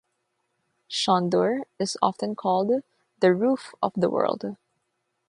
Shandur is often called the 'Roof of the World'.